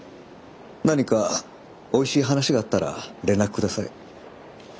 何かおいしい話があったら連絡ください。